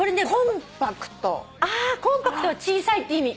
あーコンパクトは小さいって意味。